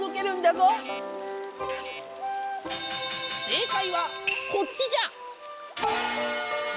正解はこっちじゃ。